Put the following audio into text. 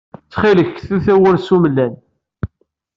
Ttxil-k ktu tawwurt s umellal.